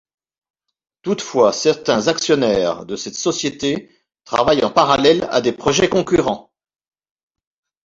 Toutefois, certains actionnaires de cette société travaillent en parallèle à des projets concurrents.